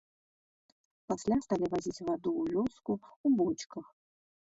Пасля сталі вазіць ваду ў вёску ў бочках.